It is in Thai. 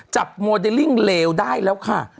โมเดลลิ่งเลวได้แล้วค่ะ